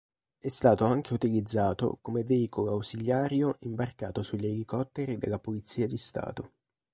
È stato anche utilizzato come veicolo ausiliario imbarcato sugli elicotteri della Polizia di Stato.